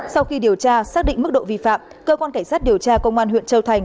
sau khi điều tra xác định mức độ vi phạm cơ quan cảnh sát điều tra công an huyện châu thành